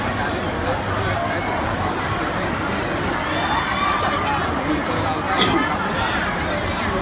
ในการรีบรับชื่อและสุขภาพเจ้าแม่ก็ไม่ได้รีบรับ